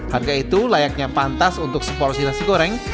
harga itu layaknya pantas untuk seporsi nasi goreng